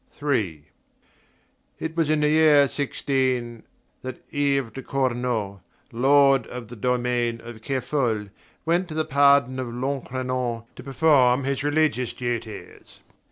III It was in the year 16 that Yves de Cornault, lord of the domain of Kerfol, went to the pardon of Locronan to perform his religious duties.